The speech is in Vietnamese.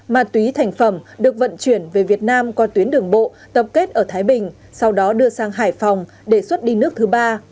ma túy thành phẩm được vận chuyển về việt nam qua tuyến đường bộ tập kết ở thái bình sau đó đưa sang hải phòng để xuất đi nước thứ ba